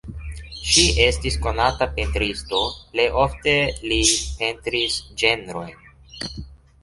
Ŝi estis konata pentristo, plej ofte li pentris ĝenrojn.